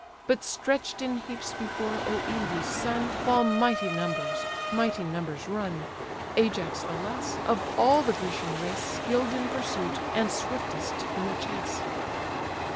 But stretch'd in heaps before Oïleus' son, Fall mighty numbers, mighty numbers run; Ajax the less, of all the Grecian race Skill'd in pursuit, and swiftest in the chase.